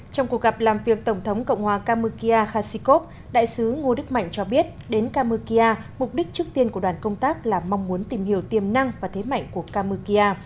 trong cuộc gặp làm việc tổng thống cộng hòa kamukia khasikov đại sứ ngô đức mạnh cho biết đến kamukia mục đích trước tiên của đoàn công tác là mong muốn tìm hiểu tiềm năng và thế mạnh của kamukia